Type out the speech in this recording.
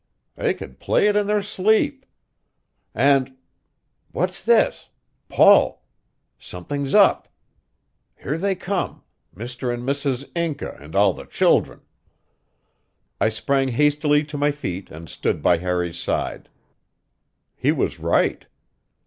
They could play it in their sleep. And what's this? Paul! Something's up! Here they come Mr. and Mrs. Inca and all the children!" I sprang hastily to my feet and stood by Harry's side. He was right.